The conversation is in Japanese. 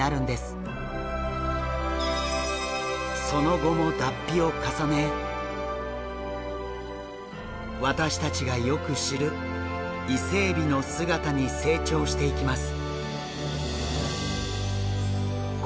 その後も脱皮を重ね私たちがよく知るイセエビの姿に成長していきます。